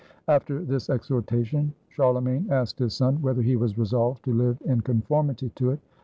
After this exhortation, Charlemagne asked his son whether he was resolved to live in conformity to it.